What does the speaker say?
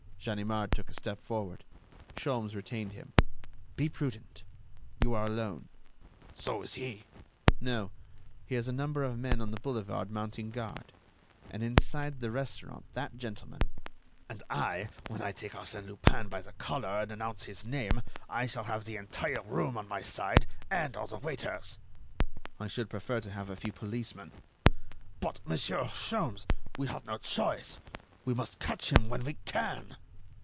Ganimard took a step forward. Sholmes retained him. "Be prudent. You are alone." "So is he." "No, he has a number of men on the boulevard mounting guard. And inside the restaurant that gentleman——" "And I, when I take Arsène Lupin by the collar and announce his name, I shall have the entire room on my side and all the waiters." "I should prefer to have a few policemen." "But, Monsieur Sholmes, we have no choice. We must catch him when we can."